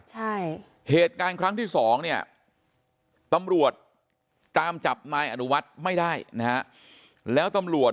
ใช่เหตุการณ์ครั้งที่สองเนี่ยตำรวจตามจับนายอนุวัฒน์ไม่ได้นะฮะแล้วตำรวจ